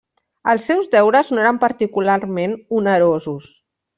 Els seus deures no eren particularment onerosos.